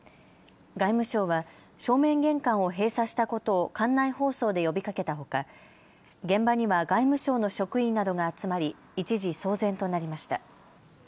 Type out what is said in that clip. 外務省は正面玄関を閉鎖したことを館内放送で呼びかけたほか現場には外務省の職員などが集まり一時、騒然となりました。